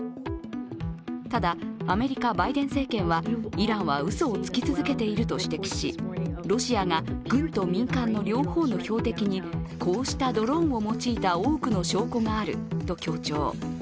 ただ、アメリカ・バイデン政権は、イランはうそをつき続けていると指摘し、ロシアが軍と民間の両方の標的にこうしたドローンを用いた多くの証拠があると強調。